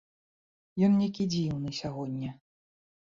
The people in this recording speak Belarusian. Ён нейкі дзіўны сягоння.